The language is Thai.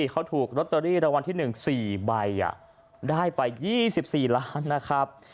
เขาถูกล็อตเตอรี่ระวัลที่หนึ่งสี่ใบอ่ะได้ไปยี่สิบสี่ล้านนะครับ